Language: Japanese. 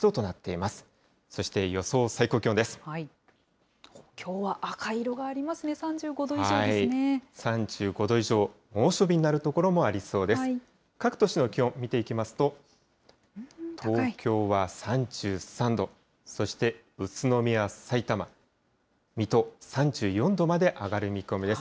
各都市の気温、見ていきますと、東京は３３度、そして宇都宮、さいたま、水戸、３４度まで上がる見込みです。